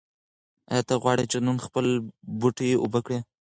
ایا ته غواړې چې نن خپل بوټي اوبه کړې؟